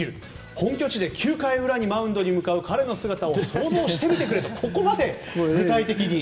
本拠地で９回裏にマウンドに向かう彼の姿を想像してみてくれと。